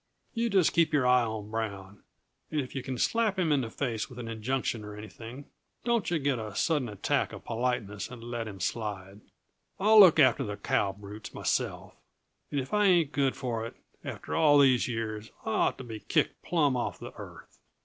You just keep your eye on Brown, and if yuh can slap him in the face with an injunction or anything, don't yuh get a sudden attack uh politeness and let him slide. I'll look after the cow brutes myself and if I ain't good for it, after all these years, I ought to be kicked plumb off the earth.